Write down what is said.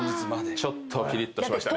ちょっとぴりっとしましたね